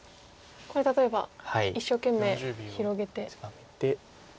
これ例えば一生懸命広げて。